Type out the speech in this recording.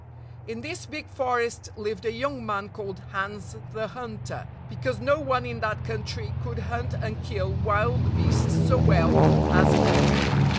In this big forest, lived a young man called Hans the Hunter, because no one in that coun try could hunt and kill wild beasts so well as he.